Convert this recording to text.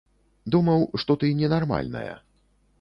Думаў, што ты ненармальная.